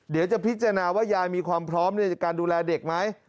เดี๋ยวจะพิจารณาว่ายายมีความพร้อมในการดูแลเด็กไหม